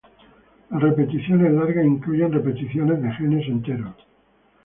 Las repeticiones largas incluyen repeticiones de genes enteros.